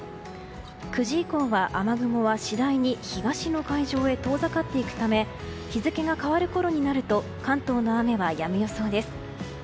９時以降は、雨雲は次第に東の海上へ遠ざかっていくため日付が変わるころになると関東の雨はやむ予想です。